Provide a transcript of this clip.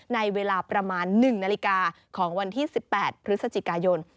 ในเวลาประมาณ๑นาฬิกาของวันที่๑๘พฤศจิกายน